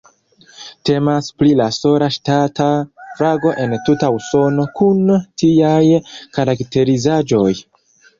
Temas pri la sola ŝtata flago en tuta Usono kun tiaj karakterizaĵoj.